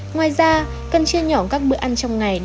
ngoài ra cần chia nhỏ các bữa ăn trong ngày